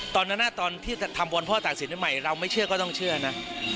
ตอนนั้นนะตอนที่ทำวรพ่อต่างสินใหม่เราไม่เชื่อก็ต้องเชื่อนะ